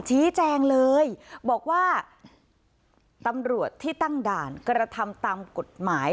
ชี้แจงเลยบอกว่าตำรวจที่ตั้งด่านกระทำตามกฎหมาย